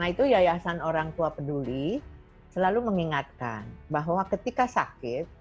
nah itu yayasan orang tua peduli selalu mengingatkan bahwa ketika sakit